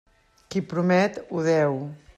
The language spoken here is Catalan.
Qui promet, ho deu.